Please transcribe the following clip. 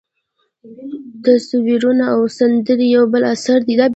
تصویرونه او سندرې یو بل اثر دی.